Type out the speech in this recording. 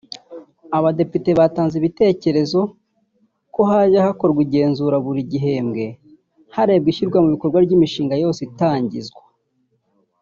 Abadepite batanze ibitekerezo ko hajya hakorwa igenzura buri gihembwe harebwa ishyirwa mu bikorwa ry’imishinga yose itangizwa